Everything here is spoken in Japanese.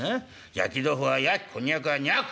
焼き豆腐は焼きこんにゃくはにゃく。